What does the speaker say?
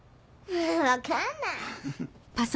分かんない。